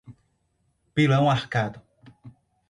Pilão Arcado